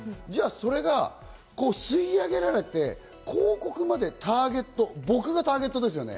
それが吸い上げられて、広告までターゲット、僕がターゲットですよね。